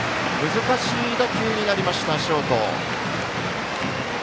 難しい打球になった、ショート。